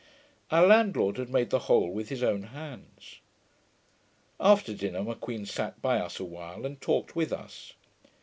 Our landlord had made the whole with his own hands. After dinner, M'Queen sat by us a while, and talked with us.